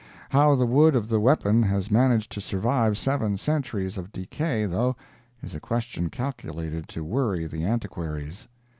How the wood of the weapon has managed to survive seven centuries of decay, though, is a question calculated to worry the antiquaries.